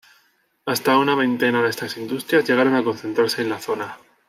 Hasta una veintena de estas industrias llegaron a concentrarse en la zona.